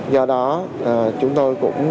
do đó chúng tôi cũng